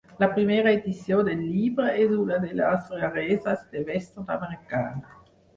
La primera edició del llibre és una de les rareses de Western Americana.